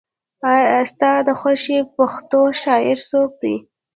ستا د خوښې پښتو شاعر څوک دی؟